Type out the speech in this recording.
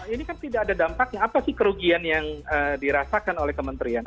ini kan tidak ada dampaknya apa sih kerugian yang dirasakan oleh kementerian